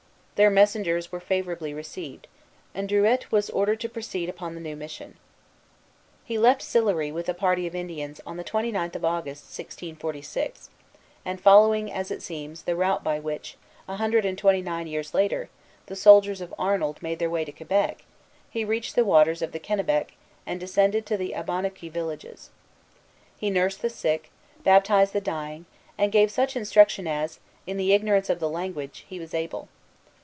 Their messengers were favorably received; and Druilletes was ordered to proceed upon the new mission. Charlevoix, I. 280, gives this as a motive of the mission. He left Sillery, with a party of Indians, on the twenty ninth of August, 1646, and following, as it seems, the route by which, a hundred and twenty nine years later, the soldiers of Arnold made their way to Quebec, he reached the waters of the Kennebec and descended to the Abenaqui villages. Here he nursed the sick, baptized the dying, and gave such instruction as, in his ignorance of the language, he was able.